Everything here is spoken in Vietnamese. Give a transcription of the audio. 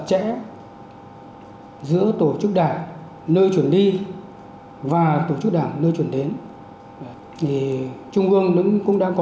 các cấp ủy phải thực hiện nghiêm